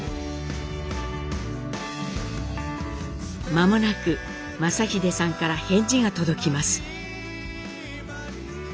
間もなく正英さんから返事が届きます。